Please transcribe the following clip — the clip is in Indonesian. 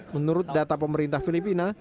menurut data pemerintah filipina